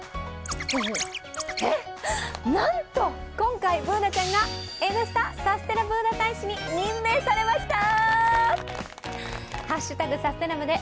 えっ、なんと今回Ｂｏｏｎａちゃんが「Ｎスタ」サステナブーナ大使に任命されました。